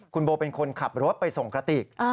คุณโบเป็นคนขับรถไปส่งกระติก